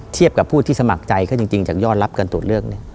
ที่สมัครใจจริงจากยอดรับการตรวจเลือก